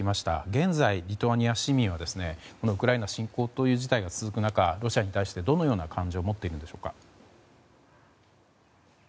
現在、リトアニア市民はウクライナ侵攻という事態が続く中、ロシアに対してどのような感情を持っているんでしょうか。